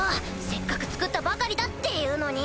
せっかく造ったばかりだっていうのに。